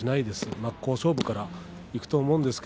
真っ向勝負でいくと思います。